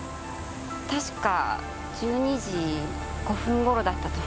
確か１２時５分頃だったと。